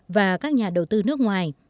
và các nhà đầu tư nước ngoài